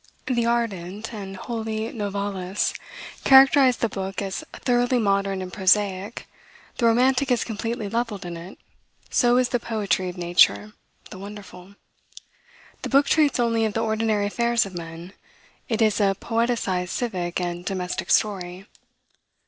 The ardent and holy Novalis characterized the book as "thoroughly modern and prosaic; the romantic is completely leveled in it; so is the poetry of nature; the wonderful. The book treats only of the ordinary affairs of men: it is a poeticized civic and domestic story.